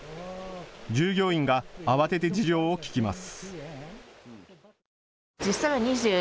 従業員が慌てて事情を聞きます。